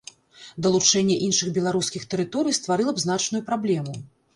Далучэнне іншых беларускіх тэрыторый стварыла б значную праблему.